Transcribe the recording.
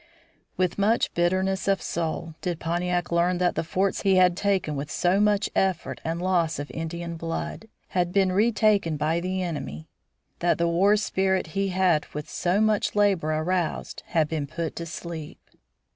With much bitterness of soul did Pontiac learn that the forts he had taken with so much effort and loss of Indian blood, had been retaken by the enemy; that the war spirit he had with so much labor aroused had been put to sleep.